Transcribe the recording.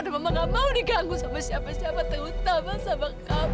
dan mama nggak mau diganggu sama siapa siapa terutama sama kamu